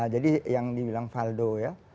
jadi yang dibilang valdo ya